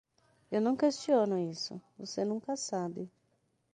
Eu não questiono isso, você nunca sabe.